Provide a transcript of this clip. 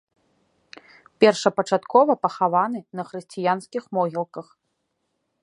Першапачаткова пахаваны на хрысціянскіх могілках.